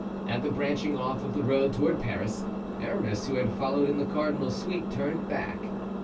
At the branching off of the road toward Paris, Aramis, who had followed in the cardinal's suite, turned back.